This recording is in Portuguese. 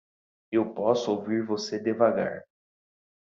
Eu posso ouvir você devagar.